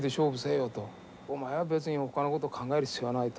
お前は別にほかのこと考える必要はないと。